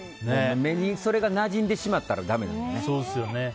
目にそれがなじんでしまったらだめなんですよね。